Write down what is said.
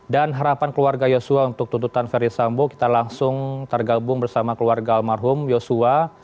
dan harapan keluarga yosua untuk tuntutan feri sambu kita langsung tergabung bersama keluarga almarhum yosua